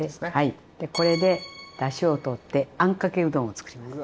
これでだしを取ってあんかけうどんをつくります。